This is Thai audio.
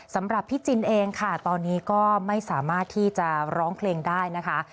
สำหรับพี่จินเองค่ะตอนนี้ก็ไม่สามารถที่จะร้องเพลงได้นะคะ